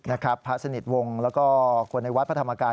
พระสนิทวงศ์แล้วก็คนในวัดพระธรรมกาย